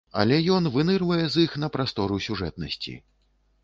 Але ён вынырвае з іх на прастору сюжэтнасці.